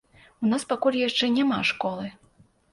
У нас пакуль яшчэ няма школы.